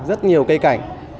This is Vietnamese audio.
rất nhiều cây cảnh